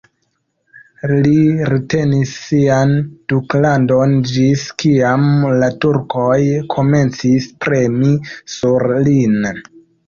Li retenis sian duklandon ĝis kiam la turkoj komencis premi sur lin.